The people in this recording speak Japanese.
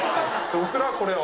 僕らはこれを。